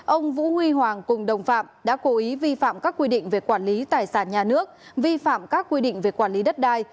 ông vũ huy hoàng cùng đồng phạm đã cố ý vi phạm các quy định về quản lý tài sản nhà nước vi phạm các quy định về quản lý đất đai